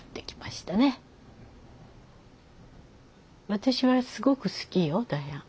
私はすごく好きよダヤン。